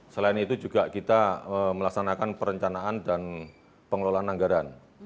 selain itu juga kita melaksanakan perencanaan dan pengelolaan anggaran